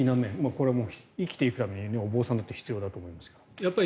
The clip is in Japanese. これはもう生きていくためにお坊さんだって必要だと思うんですが。